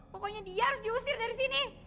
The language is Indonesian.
pokoknya dia harus diusir dari sini